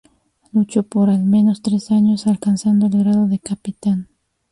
Luchó por al menos tres años, alcanzando el grado de capitán.